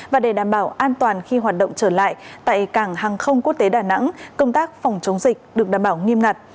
và để đảm bảo an toàn khi hoạt động trở lại tại cảng hàng không quốc tế đà nẵng công tác phòng chống dịch được đảm bảo nghiêm ngặt